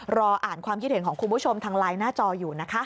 รออ่านความคิดเห็นของคุณผู้ชมทางไลน์หน้าจออยู่นะคะ